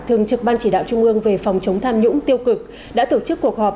thường trực ban chỉ đạo trung ương về phòng chống tham nhũng tiêu cực đã tổ chức cuộc họp